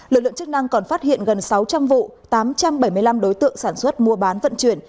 lực lượng chức năng còn phát hiện gần sáu trăm linh vụ tám trăm bảy mươi năm đối tượng sản xuất mua bán vận chuyển